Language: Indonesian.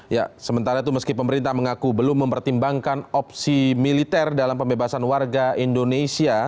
ya sementara itu meski pemerintah mengaku belum mempertimbangkan opsi militer dalam pembebasan warga indonesia